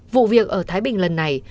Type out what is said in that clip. vụ việc ở thái bình lần này